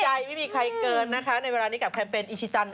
ใจไม่มีใครเกินนะคะในเวลานี้กับแคมเปญอิชิตัน